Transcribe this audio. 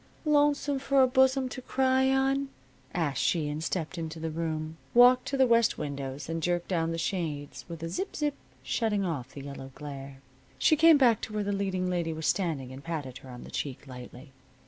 "Lonesome for a bosom to cry on?" asked she, and stepped into the room, walked to the west windows, and jerked down the shades with a zip zip, shutting off the yellow glare. She came back to where the leading lady was standing and patted her on the cheek, lightly.